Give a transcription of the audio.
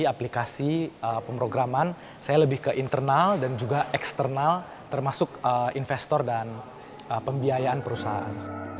aplikasi pemrograman saya lebih ke internal dan juga eksternal termasuk investor dan pembiayaan perusahaan